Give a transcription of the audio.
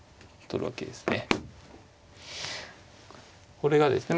これがですね